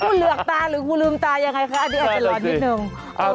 เหลือกตาหรือกูลืมตายังไงคะอันนี้อาจจะร้อนนิดนึง